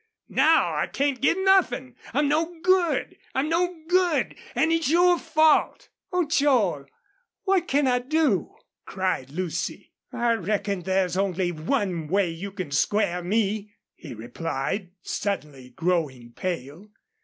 Now I can't get nothin'. I'm no good! ... I'm no good! An' it's your fault!" "Oh, Joel, what can I do?" cried Lucy. "I reckon there's only one way you can square me," he replied, suddenly growing pale.